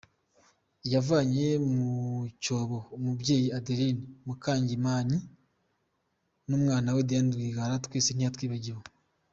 Iyavanye mu cyobo umubyeyi Adeline Mukangemanyi n’umwana we Diane Rwigara, twese ntiyatwibagiwe.